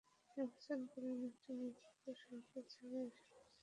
নির্বাচনকালীন একটি নিরপেক্ষ সরকার ছাড়া এসব সহযোগিতা নিশ্চিত করা সম্ভব নয়।